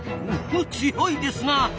強いですな。